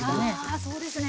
あそうですね！